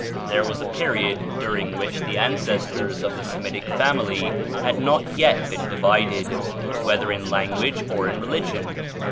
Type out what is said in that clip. There was a period during which the ancestors of the Semitic family had not yet been divided, whether in language or in religion.